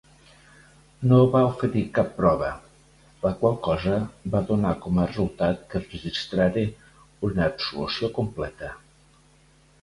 No van oferir cap prova, la qual cosa va donar com a resultat que es registrara una absolució completa.